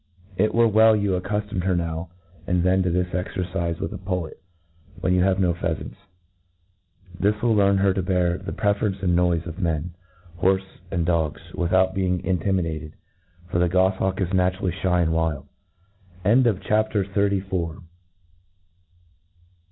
It were well you accuftomed her now and then to this excrcife with a pullet, when you have no pheafants. This will learn her to bear the prefence and noife of men, horfe, and dogs, without being intimidated } for the gpihawk i^ naturally ihy and wild. CHAP, XXXV.